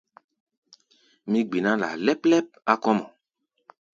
Mí gbiná laa lɛ́p-lɛ́p á kɔ̧́ mɔ.